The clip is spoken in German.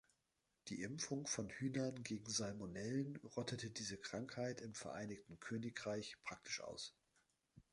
Die Impfung von Hühnern gegen „Salmonellen“ rottete diese Krankheit im Vereinigten Königreich praktisch aus.